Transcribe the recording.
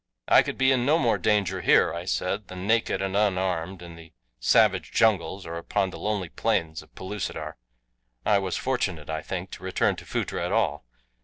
"I could be in no more danger here," I said, "than naked and unarmed in the savage jungles or upon the lonely plains of Pellucidar. I was fortunate, I think, to return to Phutra at all.